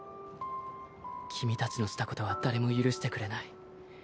君たちのしたことは誰も許してくれない。